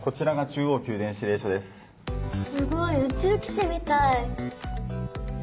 すごい宇宙基地みたい。